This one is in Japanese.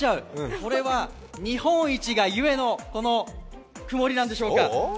これは日本一が故の曇りなんでしょうか。